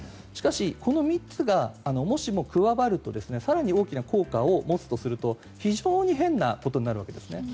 しかしこの３つがもしも加わると更に大きな効果を持つとすると非常に変なことになるわけです。